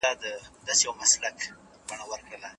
ایا د غاښونو د زیړوالي مخنیوی په مسواک سره کېدای سي؟